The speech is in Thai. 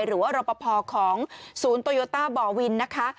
รอปภของศูนย์โตโยต้าบ่อวินนะคะ